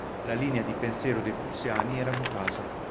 La linea di pensiero dei prussiani era mutata.